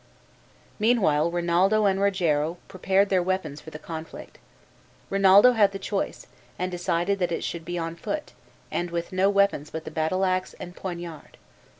Meanwhile Rinaldo and Rogero prepared their weapons for the conflict. Rinaldo had the choice, and decided that it should be on foot, and with no weapons but the battle axe and poniard.